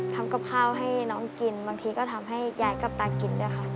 ทำกับข้าวให้น้องกินบางทีก็ทำให้ยายกับตากินด้วยค่ะ